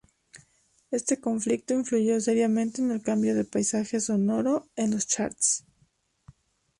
Este conflicto, influyó seriamente en el cambio de paisaje sonoro en los "charts".